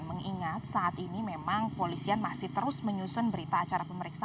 mengingat saat ini memang polisian masih terus menyusun berita acara pemeriksaan